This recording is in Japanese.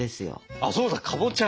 あっそうだかぼちゃ！